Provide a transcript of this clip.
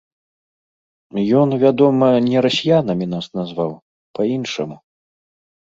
Ён, вядома, не расіянамі нас назваў, па-іншаму.